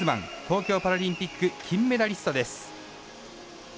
東京パラリンピック金メダリストです。